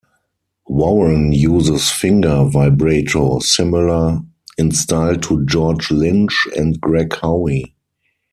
Warren uses finger vibrato, similar in style to George Lynch and Greg Howe.